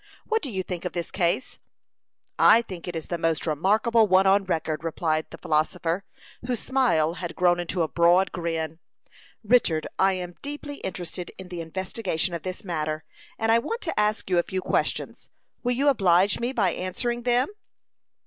"What do you think of this case?" "I think it is the most remarkable one on record," replied the philosopher, whose smile had grown into a broad grin. "Richard, I am deeply interested in the investigation of this matter, and I want to ask you a few questions. Will you oblige me by answering them?"